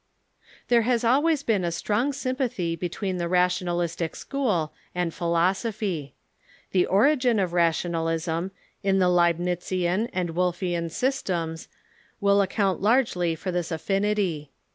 There has always been a strong sympathy between the ra tionalistic school and pliilosophy. The origin of Rationalism, in the Leibnitzian and Wolfian systems, will ac Rationaiism (,^^^^1 largely for this affinity.